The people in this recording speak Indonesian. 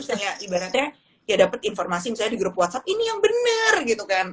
kayak ibaratnya ya dapet informasi misalnya di grup whatsapp ini yang benar gitu kan